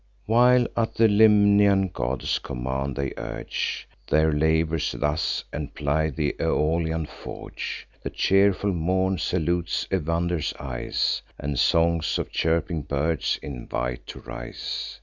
While, at the Lemnian god's command, they urge Their labours thus, and ply th' Aeolian forge, The cheerful morn salutes Evander's eyes, And songs of chirping birds invite to rise.